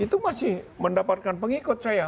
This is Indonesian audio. itu masih mendapatkan pengikut saya